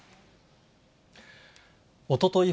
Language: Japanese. おととい